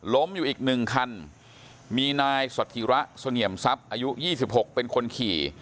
ล้มอยู่อีกหนึ่งคันมีนายสธิระเสนี่ยมทรัพย์อายุยี่สิบหกเป็นคนขี่